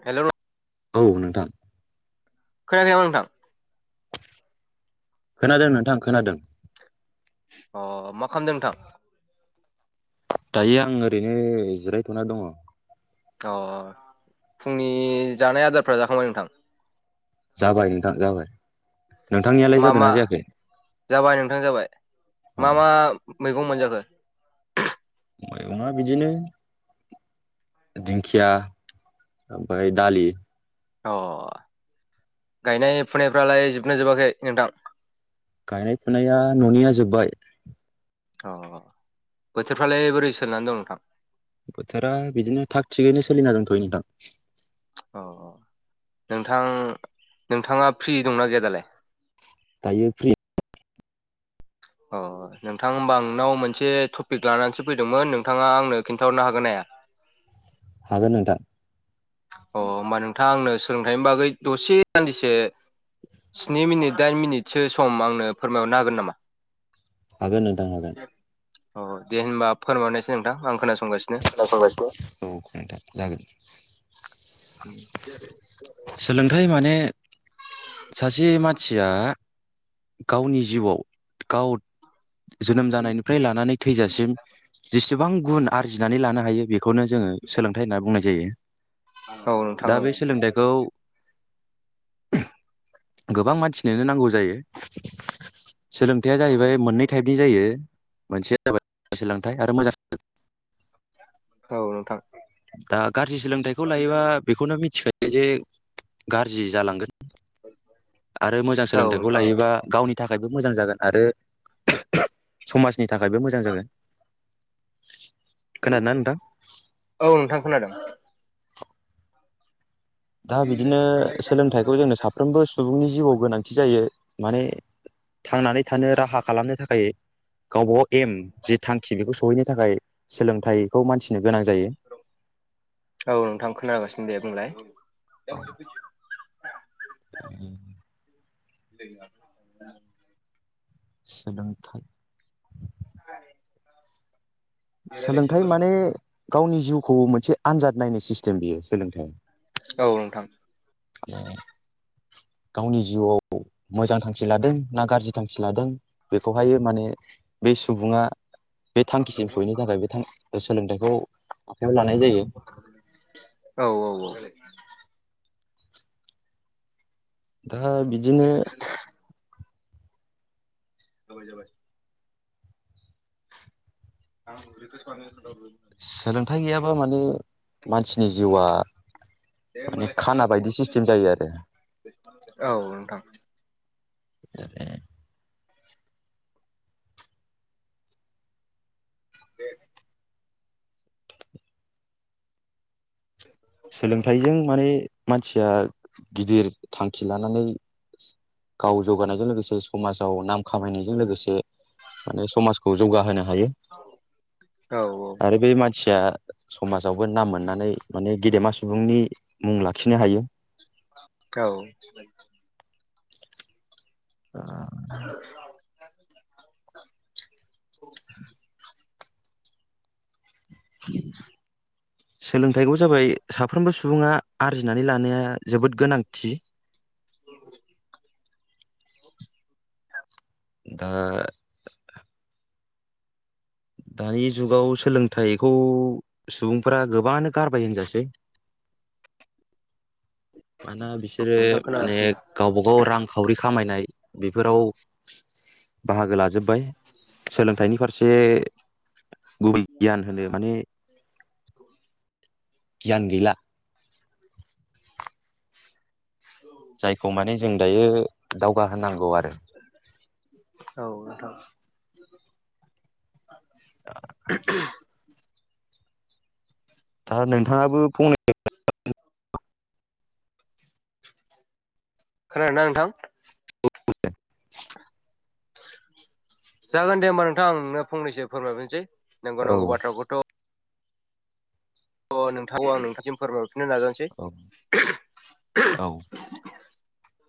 [unintelligible] औ नोंथां खोयाखै नोंथां। खोनादों नोंथां खोनादों। अ मा खालामदों नोंथां? दायो आं ओरैनो जिरायथ'ना दङ। अ फुंनि जानाय आदारफ्रा जाखांबाय नोंथां। जाबाय नोंथां जाबाय नोंथांनियालाय मा जादों मा ना जायाखै? जाबाय नोंथां जाबाय औ मा मा मैगं मोनजाखो मैगंया बिदिनो दिंखिया ओमफ्राय दालि अ गायनाय फुनायफ्रालाय जोबनो जोबाखै नोंथां। गायनाय फुनाया न'निया जोब्बाय [inaudible] अ बोथोरफ्रालाय बोरै सोलिनानै दं नोंथां बोथोरा बिदिनो थाग थिगैनो सोलिना दंथ'यो नोंथां। औ औ नोंथां नोंथाङा फ्रि दंना गैया दालाय दायो फ्रि औ नोंथां होनोमबा नोंनाव मोनसे टपिक लानानैसो फैदोंमोन नोंथाङा आंनो खिन्थाहरनो हागोना हाया। हागोन नोंथां। अ होमबा नोंथाङा आंनो सोलोंथाइनि बागै दसे सान्दिसे स्नि मिनिट दाइन मिनिटसो सम आंनो फोरमायहरनो हागोन नामा? हागोन नोंथां हागोन। अ दे होनबा फोरमावरनायसै नोंथां आं खोनासंगासिनो [unintelligible] सोलोंथाइ माने [inaudible] सासे मानसिया गावनि जिउआव गाव जोनोम जानायनिफ्राय लानानै थैजासिम जिसे गोबां गुन आरजिनानै लानो हायो बेखौनो जोङो सोलोंथाइ होनना बुंनाय जायो औ नोंथां दा औ बे सोलोंथाइखौ गोबां मानसिनो नांगौ जायो सोलोंथाइया जाहैबाय मोननै टाइपनि जायो मोनसेया जाबाय सोलोंथाइ आरो मोजां सों औ नोंथां दा गाज्रि सोलोंथाइखौ लायोबा बेखौनो मिथिगोन। बे जे गाज्रि जालांगोन। आरो मोजां औ सोलोंथाइखौ नोंथां लायोबा गावनि थाखायबो मोजां जागोन आरो समाजनि थाखायबो मोजां जागोन खोनादों नोंथां औ नोंथां खोनादों दा बिदिनो सोलोंथाइखौ जोंनो साफ्रोमबो सुबुंनि जिउआव गोनांथि जायो माने थांनानै थानो राहा खालामनो थाखाय गावबागाव एम जि थांखि बेखौ सहैनो थाखाय सोलोंथाइखौ मानथिनो गोनां जायो औ नोंथां खोनागासिनो दे बुंलाय ए बिया सोलोंथाइ [inaudible] सोलोंथाइ माने गावनि जिउखौ मोनसे आनजाद नायनो सिस्टेम बियो सोलोंथायाइ औ नोंथां द गावनि जिउआव मोजां थांखि लादों ना गाज्रि थांखि लादों बेखौहाय माने बे सुबुङा बे थांखिसिम सहैनो थाखाय बे थां सोलोंथाइखौ आखायाव लानाय जायो औ औ औ दा बिदिनो [unintelligible] जाबाय जाबाय आं सोलोंथाइ गैयाब्ला माने मानसिनि जिउआ माने खाना बायदि सिस्टेम जायो आरो औ नोंथां [inaudible] दे सोलोंथाइजों माने मानसिया गिदिर थांखि लानानै गाव जौगानायजों लोगोसे समाजाव नाम खामायनायजों लोगोसे माने समाजखौ जौगाहोनो हायो औ आरो बे मानसिया समाजावबो नाम मोननानै माने गेदेमा सुबुंनि मुं लाखिनो हायो औ दा ह बि सोलोंथाइखौ जाबाय साफ्रोमबो सुबुङा आरजिनानै लानाया जोबोद गोनांथि [inaudible] दा दानि जुगाव सोलोंथाइखौ सुबुंफ गोबाङानो गारबाय होनजासै मानोना बिसोरो नोंथां माने खोनागासिनो गावबा गाव रांखावरि खामायनाय बेफोराव बाहागो लाजोब्बाय सोलोंथाइनि फारसे गुबुन गियान होनो माने गियान गैला जायखौ माने जों दायो दावगा होनांगौ आरो औ नोंथां [unintelligible] दा नोंथाङाबो फंनै खोनादोंना नोंथां [inaudible] जागोन दे होमबा नोंथां नोंनो फंनैसो फोरमायफिनोसै नांगौ औ नांगौ बाथ्राखौथ अ नोंथांखौ आं नोंथांसिम फोरमायहरफिननो नाजानोसै औ औ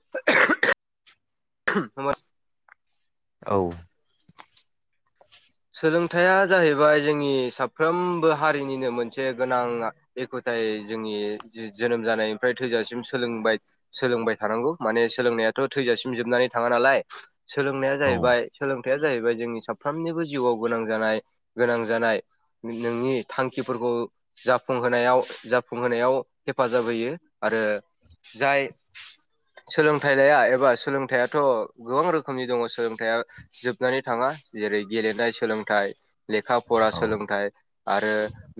[unintelligible] औ सोलोंथाइया जाहैबाय जोंनि साफ्रोमबो हारिनिनो मोनसे गोनां एखुथायै जोंनि जोनोम जानायनिफ्राय थोजासिम सोलोंबाय सोलोंबाय थानांगौ माने सोलोंनायाथ थैजासिम जोबनानै थाङा नालाय सोलोंनाया जाहैबाय औ सोलोंथाइआजाहैबाय जोंनि साफ्रोमनिबो जिउआव गोनां जानाय गोनां जानाय नोंनि थांखिफोरखौ जाफुंहोनायाव जाफुंहोनायाव हेफाजाब होयो आरो जाय सोलोंथाइ लाया एबा सोलोंथाइाथ गोबां रोखोमनि दङ सोलोंथाइया जोबनानै थाङा जेरै गेलेनाय सोलोंथाइ लेखा फरा औ सोलोंथाइ आरो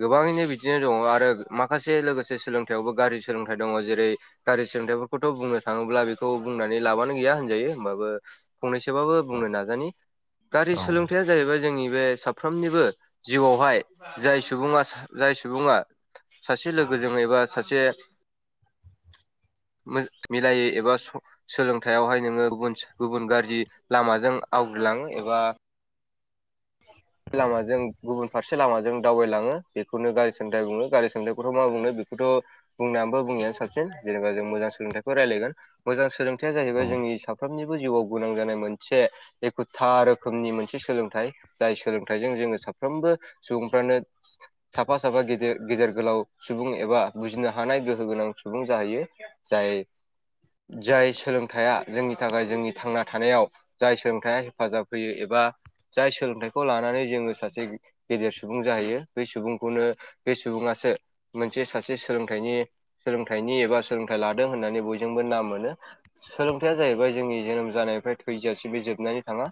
गोबाङैनो बिदिनो दङ आरो माखासे लोगोसे सोलोंथायाइयावबो गाज्रि सोलोंथाइ दङ जेरै गारि सोलोंथाइफोरखौथ बुंनो थाङोब्ला बेखौ बुंनानै लाबानो गैया होनजायो होमबाबो फंनैसोबाबो बुंनो नाजानि गारि औ सोलों जाहैबाय जोंनि बे साफ्रोमनिबो जिउआवहाय जाय सुबङा जाय सुबुङा सासे लोगोजों एबा सासे [inaudible] मो मिलायै एबा स सोलोंथायाइावहाय नोङो गुबुन गुबुन गाज्रि लामाजों आवग्रिलांङो एबा लामाजों गुबुन फारसे लामाजों दावबायलाङो बेखौनो गारि सनद्राय बुङो गारि सोमद्रायखौथ मा बुंनो बे थ बुंनानैबो बुंनायआानो साबसिन जेनेबा जों मोजां सोलोंथायखौ रायलायगोन मोजां सोलोंथाइ जाहैबाय जोंनि साफ फ्रामनिबो जिउआव गोनां जानाय मोनसे एखुथा रोखोमनि मोनसे सोलोंथाइ जाय सोलोंथाइजों जोङो साफ्रोमबो सुबुंफ्रानो साफा साफा गेदेर गेदेर गोलाव सुबुं एबा बुजिनो हानाय गोहो गोनां सुबुं जाहैयो जाय जाय सोलोंथाइया जोंनि थाखाय जोंनि थांना थानायाव जाय सोलोंथाइया हेफाजाब होयो एबा जाय सोलोंथाइ खौ लानानै जोङो सासे गेदेर सुबुं जाहैयो बे सुबुंखौनो बे सुबुङासो मोनसे सासे सोलोंथाइनि सोलोंथाइनि एबा सोलोंथाइ लादों होननानै बयजोंबो नाम मोनो सोलोंथायाइया जाहैबाय जोंनि जोनोम जानायनिफ्राय थैजासिम बे जोबनानै थाङा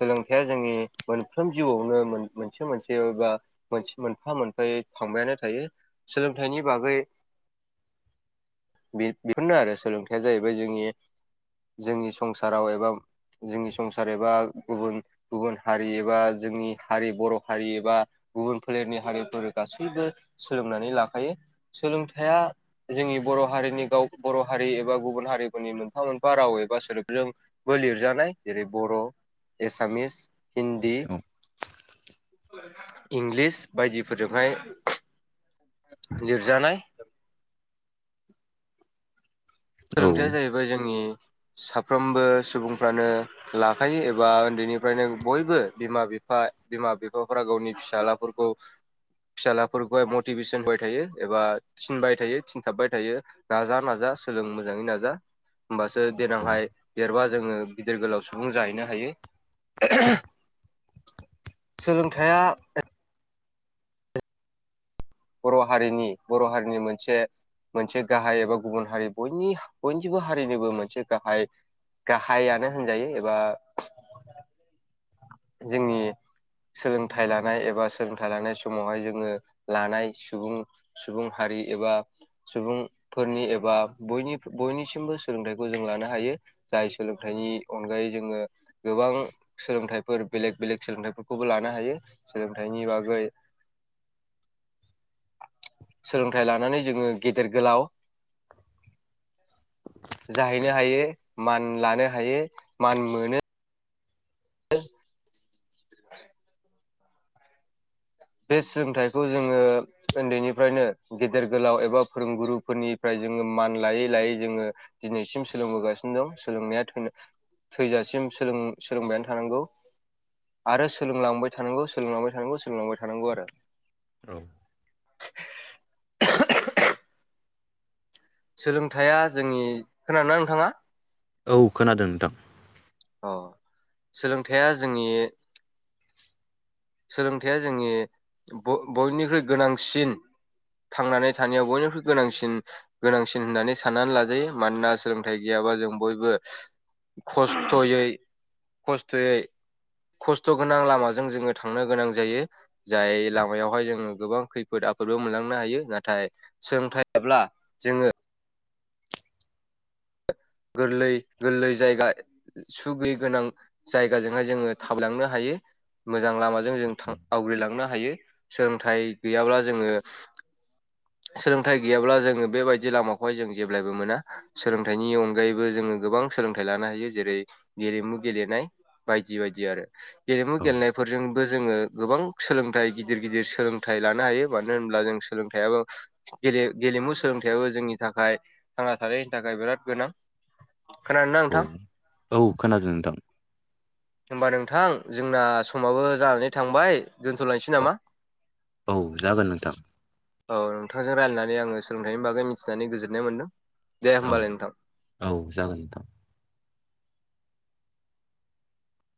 सोलोंथाइया जोंनि मोनफ्रोम जिउआवनो मोनसे मोनसेबा मोनसे मोनफा मोनफायै थांबायानो थायो सोलोंथाइनि बागै [inaudible] बे बेफोरनो आरो सोलोंथायया जाहैबाय जोंनि जोंनि संसाराव एबा जोंनि संसार एबा गुबुन गुबुन हारि एबा जोंनि हारि बर' हारि एबा गुबुन फोलेरनि हारिफोर गासैबो सोलोंनानै लाखायो सोलोंथाइया जोंनि बर हारिनि गाव बर हारि एबा गुबुन हारिफोरनि मोनफा मोनफा राव एबा सोदोबजों बो लिरजानाय जेरै बर' एसामिस हिन्दी इंलिस बायदिफोरजोंहाय लिरजानाय औ सोलोंथाइया जाहैबाय जोंनि साफ्रोमबो सुबुंफ्रानो लाखायो एबा उन्दैनिफ्रायनो बयबो बिमा बिफा बिमा बिफाफोरा गावनि फिसाजलाफोरखौ फिसााजलाफोरखौहाय मटिभेसन होबाय थायो एबा थिनबाय थायो थिनथाबबाय थायो नाजा नाजा सोलों मोजाङै नाजा होमबासो देनांहाय देरबा जोङो गिदिर गोलाव सुबुं जाहैनो हायो सोलोंथाइया बर' हारिनि बर' हारिनि मोनसे मोनसे गाहाय एबा गुबुन हारियनि बयनिबो हारिनिबो मोनसे गाहाय गाहायानो होनजायो एबा जोंनि सोलोंथाइ लानाय एबा सोलोंथाइ लानाय समावहाय जोङो लानाय सुबुं सुबुं हारि एबा सुबुंफोरनि एबा बयनिसिमबो सोलोंथाइखौ जों लानो हायो जाय सोलोंथाइनि अनगायै जोङो गोबां सोलोंथाइफोर बेलेग बेलेग सोलोंथाइफोरखौबो लानो हायो सोलोंथाइनि बागै सोलोंथाइ लानानै जोङो गेदेर गोलाव जाहैनो हायो मान लानो हायो मान मोनो [unintelligible] बे सोलोंथाइखौ जोङो उन्दैनिफ्रायनो गेदेर गोलाव एबा फोरोंगुरुफोरनिफ्राय जोङो मान लायै लायै जोङो दिनैसिम सोलोंबोगासिनो दं सोलोंनाया थैनो थैजासिम सोलोंबायानो थानांगौ आरो सोलोंलांबाय थानांगौ सोलोंलांबाय थानांगौ सोलोंलांबाय थानांगौ आरो औ सोलोंथाया जोंनि खोनादोंना नोंथाङा औ खोनादों नोंथां अ सोलोंथाइया जोंनि सोलोंथाइया जोंनि बयनिख्रुइ गोनांसिन थांनानै थानायाव बयनिख्रुइ गोनांसिन गोनांसिन होननानै साननानै लाजायो मानोना सोलोंथाइ गैयाबा जों बयबो खस्थ'यै खस्थ'यै खस्थ' गोनां लामाजों जोङो थांनो गोनां जायो जाय औ लामायावहाय जोङो गोबां खैफोद आफोदबो मोनलांनो हायो नाथाय सोलोंथायाब्ला जोङो गोरलै गोरलै जायगा सुगिय गोनां जायगाजोंहाय जोङो थाबलांनो हायो मोजां लामाजों जों आवग्रिलांनो हायो सोलोंथाइ गैयाब्ला जोङो सोलोंथाइ गैयाब्ला जोङो बेबायदि लामाखौहाय जों जेब्लबो मोना सोलोंथाइनि अनगायैबो जोङो गोबां सोलोंथाइ लानो हायो जेरै गेलेमु गेलेनाय बायदि बायदि आरो गेलेमु औ गेलेनायफोरजोंबो जोङो गोबां सोलोंथाइ गिदिर गिदिर सोलोंथाइ लानो हायो मानो होनब्ला जों सोलोंथाइयाबो गेले गेलेमु सोलोंथाइयाबो जोंनि थाखाय थांना थानायनि थाखाय बिराद गोनां खोनादोंना औ नोंथां औ खोनादों नोंथां होमबा नोंथां जोंना समाबो जानानै थांबाय दोन्थ'लायनोसै नामा औ जागोन नोंथां औ नोंथांजों रायल्लायनानै आङो सोलोंथाइनि बागै मिथिनानै गोजोननाय मोनदों दे औ होमबालाय नोंथां औ जागोन नोंथां